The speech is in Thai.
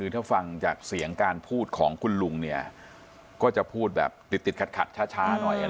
ถ้าฟังจากเสียงพูดของคุณลุงจะพูดติดขัดช้า